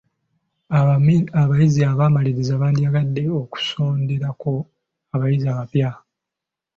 Abayizi abaamaliriza bandiyagadde okusonderako abayizi abapya.